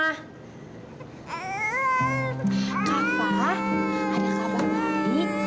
kak fah ada kabar baik